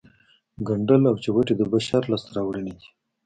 ګنډل او چوټې د بشر لاسته راوړنې دي